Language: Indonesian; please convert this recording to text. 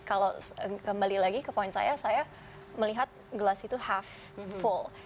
kalau kembali lagi ke poin saya saya melihat gelas itu half full